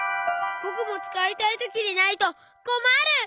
ぼくもつかいたいときにないとこまる！